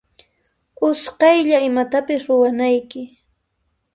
Usqaylla imatapis ruwanayki.